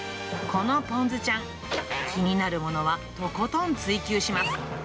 このぽんずちゃん、気になるものはとことん追求します。